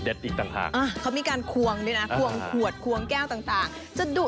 อีกต่างหากเขามีการควงด้วยนะควงขวดควงแก้วต่างจะดุ